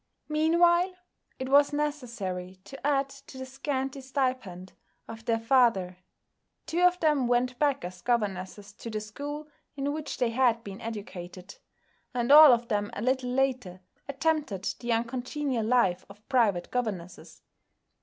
Meanwhile it was necessary to add to the scanty stipend of their father; two of them went back as governesses to the school in which they had been educated; and all of them a little later attempted the uncongenial life of private governesses.